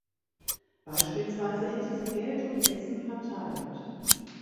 Beispielsweise hätte sie Geld und Essen verteilt.